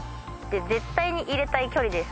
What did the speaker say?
絶対に入れたい距離です。